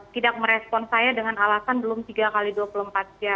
tidak merespon saya dengan alasan belum tiga x dua puluh empat jam